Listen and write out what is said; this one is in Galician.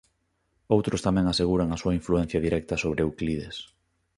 Outros tamén aseguran a súa influencia directa sobre Euclides.